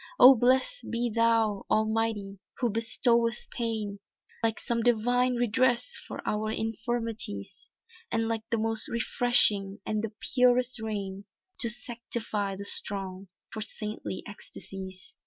"Oh blest be thou, Almighty who bestowest pain, Like some divine redress for our infirmities, And like the most refreshing and the purest rain, To sanctify the strong, for saintly ecstasies."